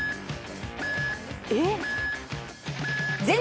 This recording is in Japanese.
えっ？